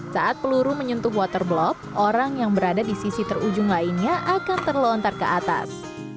saat peluru menyentuh waterblock orang yang berada di sisi terujung lainnya akan terlontar ke atas